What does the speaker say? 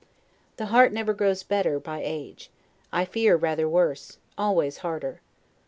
The heart never grows better by age; I fear rather worse; always harder.